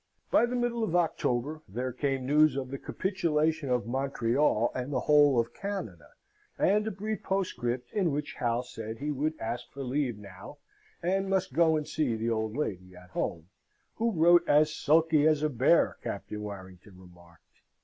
By the middle of October there came news of the Capitulation of Montreal and the whole of Canada, and a brief postscript in which Hal said he would ask for leave now, and must go and see the old lady at home, who wrote as sulky as a bare, Captain Warrington remarked.